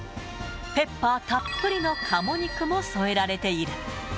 ペッパーたっぷりのカモ肉も添えられている。